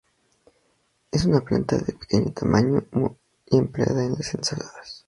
Es una planta de pequeño tamaño muy empleada en las ensaladas.